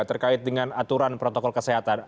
terkait dengan aturan protokol kesehatan